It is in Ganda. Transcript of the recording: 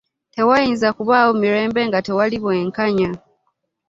Tewayinza kubaawo mirembe nga tewali bwenkanya.